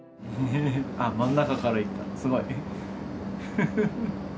真ん中からいったすごい。